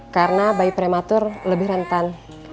karena bayi prematur lebih rentan